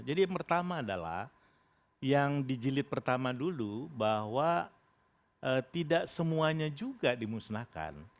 jadi yang pertama adalah yang dijilid pertama dulu bahwa tidak semuanya juga dimusnahkan